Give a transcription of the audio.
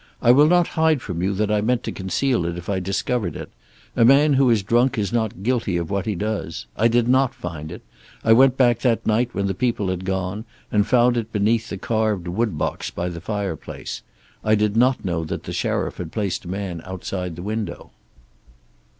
I will not hide from you that I meant to conceal it if I discovered it. A man who is drunk is not guilty of what he does. I did not find it. I went back that night, when the people had gone, and found it beneath the carved woodbox, by the fireplace. I did not know that the sheriff had placed a man outside the window."